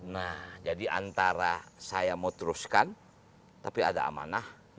nah jadi antara saya mau teruskan tapi ada amanah